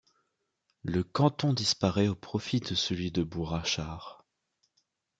Le canton disparaît au profit de celui de Bourg-Achard.